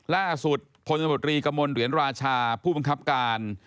ล่าสุดพลตมตรีกระมวลเหรียญราชาผู้บังคับการ